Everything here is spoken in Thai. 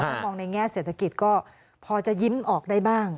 ถ้ามองในแง่เศรษฐกิจก็พอจะยิ้มออกได้บ้าง